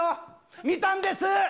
見たんです。